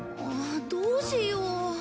どうしよう。